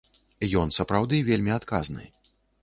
Ён сапраўды вельмі адказны.